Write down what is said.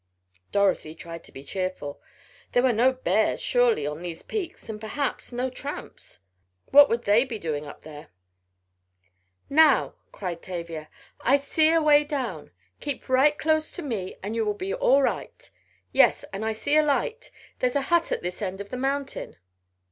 Dorothy tried to be cheerful there were no bears surely on these peaks, and perhaps no tramps what would they be doing up there? "Now!" cried Tavia, "I see a way down! Keep right close to me and you will be all right! Yes, and I see a light! There's a hut at this end of the mountain."